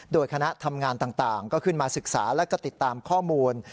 โดยคณะทำงานต่างก็ขึ้นมาศึกษาและก็ติดตามข้อมูล